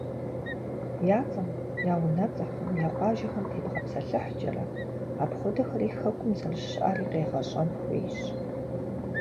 Я цӏэм, я унэцӏэхэм, я къуажэхэм тебгъэпсэлъыхькӏэрэ, апхуэдэхэри Хэкум зэрыщыӏэри къегъэщӏэн хуейщ.